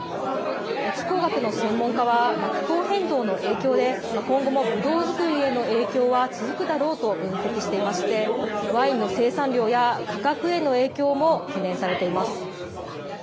気候学の専門家は、気候変動の影響で今後もぶどう作りへの影響は続くだろうと分析していまして、ワインの生産量や価格への影響も懸念されています。